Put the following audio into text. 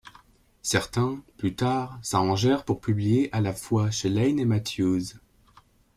Certains, plus tard, s'arrangèrent pour publier à la fois chez Lane et Mathews.